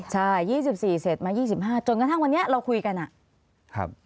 ใช่๒๔เสร็จมา๒๕จนกระทั่งวันนี้เราคุยกันอะ